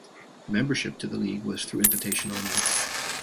Membership to the league was through invitation only.